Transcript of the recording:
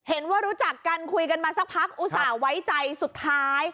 รู้จักกันคุยกันมาสักพักอุตส่าห์ไว้ใจสุดท้าย